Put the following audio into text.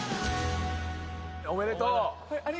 おめでとう。